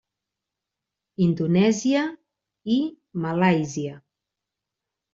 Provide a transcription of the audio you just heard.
Indonèsia i Malàisia.